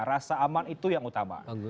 rasa aman itu yang utama